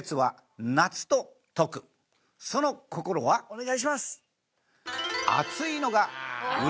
お願いします。